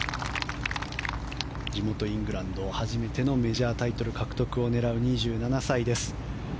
地元イングランド初めてのメジャータイトル獲得を狙う２７歳です。